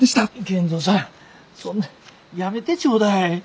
賢三さんそんなやめてちょうだい。